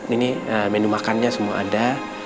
ini menu makannya semua ada